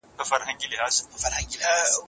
د ملي ګرايي بحث تر نورو بحثونو ګرم دی.